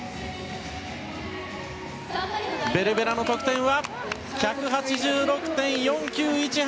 ベルベナの得点は１８６．４９１８。